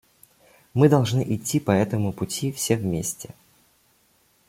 Мы должны идти по этому пути все вместе.